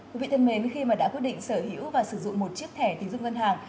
quý vị thân mến khi mà đã quyết định sở hữu và sử dụng một chiếc thẻ tiến dụng ngân hàng